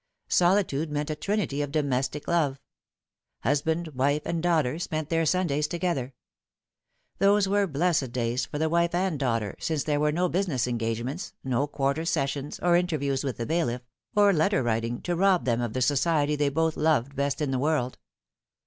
Solitude meant a trinity of domestic love. Husband, wife, and daughter spent their Sundays together. Those were blessed days for the wife and daughter, since there were no business engagements, no quarter sessions, or interviews with the bailiff, or letter writing, to rob them of the society they both loved best in the world.